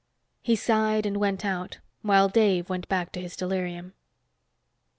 He sighed and went out, while Dave went back to his delirium.